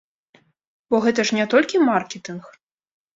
Бо гэта ж не толькі маркетынг!